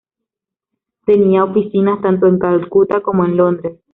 Tenía oficinas tanto en Calcuta como en Londres.